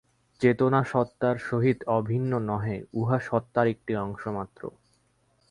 চেতনা সত্তার সহিত অভিন্ন নহে, উহা সত্তার একটি অংশ মাত্র।